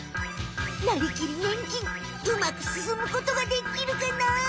なりきりねん菌うまくすすむことがでっきるかな？